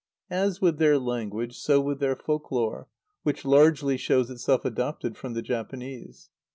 As with their language, so with their folk lore, which largely shows itself adopted from the Japanese.